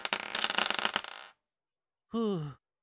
ふう。